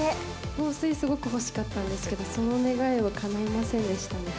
香水すごく欲しかったですけど、その願いはかないませんでし